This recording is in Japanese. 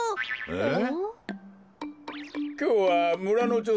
えっ！